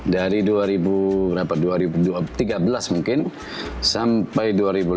dari dua ribu tiga belas mungkin sampai dua ribu lima belas